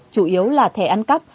chủ yếu là thẻ ăn cắp